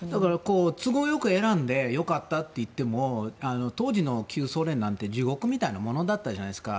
都合よく選んで良かったって言っても当時の旧ソ連なんて地獄みたいなものだったじゃないですか。